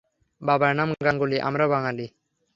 বাবার নাম গাঙ্গুলী, আমরা বাঙালি।